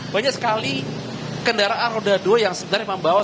banyak sekali kendaraan roda dua yang sebenarnya membawa